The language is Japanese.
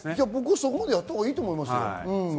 そこまでやったほうがいいと思います。